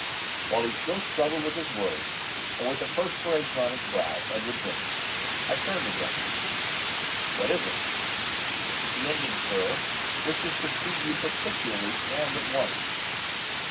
While he still struggled with his words, and with the perspiration on his brow, Edwards entered. I turned to him. 'What is it?' 'Miss Lindon, sir, wishes to see you particularly, and at once.